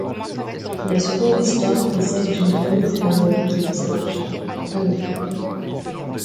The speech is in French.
La seconde histoire est celle d'une famille de fermiers qui possède un chien, Tommy.